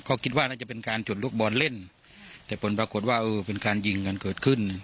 ก็คิดว่าน่าจะเป็นการจุดลูกบอลเล่นแต่ผลปรากฏว่าเออเป็นการยิงกันเกิดขึ้น